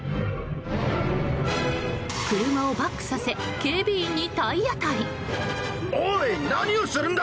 車をバックさせ警備員に体当たり。